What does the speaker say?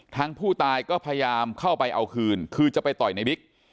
ผู้ตายก็พยายามเข้าไปเอาคืนคือจะไปต่อยในบิ๊ก